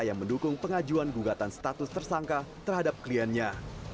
yang mendukung pengajuan gugatan status tersangka terhadap kliennya